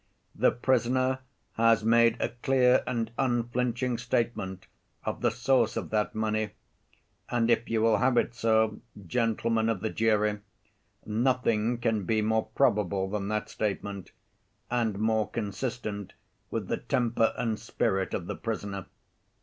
The prisoner has made a clear and unflinching statement of the source of that money, and if you will have it so, gentlemen of the jury, nothing can be more probable than that statement, and more consistent with the temper and spirit of the prisoner.